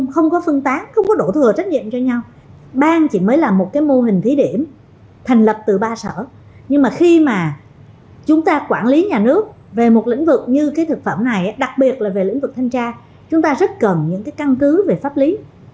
không có mô hình bang thì làm sao có thân cứu pháp lý